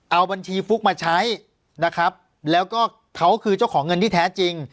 เอาบัญชีฟุ๊กมาใช้นะครับแล้วก็เขาคือเจ้าของเงินที่แท้จริง